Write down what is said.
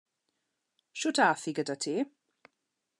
Shwd ath hi gyda ti?